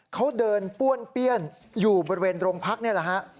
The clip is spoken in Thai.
เขาเดินป้วนเปี้ยนอยู่บริเวณโรงพักนี่แหละฮะ